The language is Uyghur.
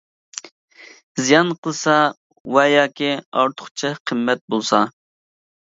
زىيان قىلسا ۋە ياكى، ئارتۇقچە قىممەت بولسا.